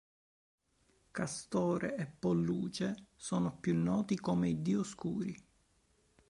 Castore e Polluce sono più noti come i Dioscuri.